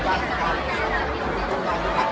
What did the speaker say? การรับความรักมันเป็นอย่างไร